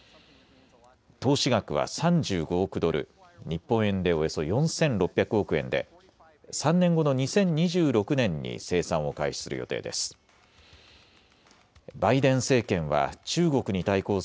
投資額は３５億ドル、日本円でおよそ４６００億円で３年後の２０２６年に生産を開始する予定です。